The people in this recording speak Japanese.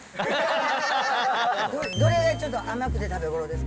どれがちょっと甘くて食べ頃ですか？